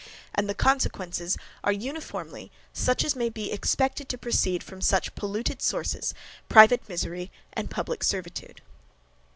And the consequences are uniformly such as may be expected to proceed from such polluted sources, private misery, and public servitude.